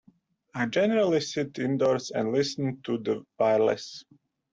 I generally sit indoors and listen to the wireless.